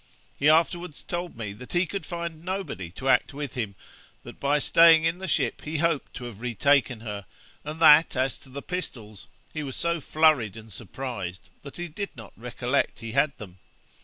He afterwards told me that he could find nobody to act with him; that by staying in the ship he hoped to have retaken her, and that, as to the pistols, he was so flurried and surprised, that he did not recollect he had them.'